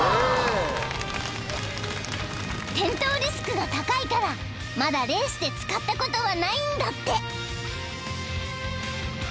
［転倒リスクが高いからまだレースで使ったことはないんだって］